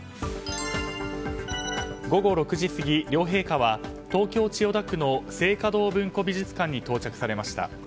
午後６時過ぎ、両陛下は東京・千代田区の静嘉堂文庫美術館に到着されました。